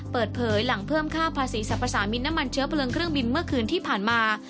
เปิดเผยหลังเพิ่มค่าภาษีสรรพสามินน้ำมันเชื้อเพลิงเครื่องบินเมื่อคืนที่ผ่านมา